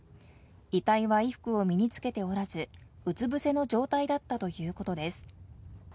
遺体は衣服を身につけておらず、うつ伏せの状態だったということです。